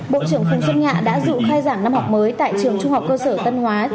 bộ trưởng phùng xuân nhạ đã dự khai giảng năm học mới tại trường trung học cơ sở tân hóa